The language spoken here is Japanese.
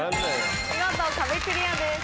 見事壁クリアです。